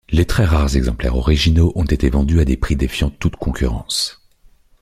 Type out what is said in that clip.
Les très rares exemplaires originaux ont été vendus à des prix défiant toute concurrence.